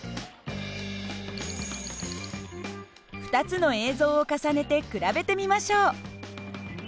２つの映像を重ねて比べてみましょう。